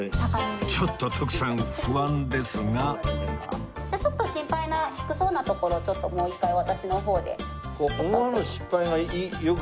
ちょっと徳さん不安ですがじゃあちょっと心配な低そうなところをちょっともう一回私の方で。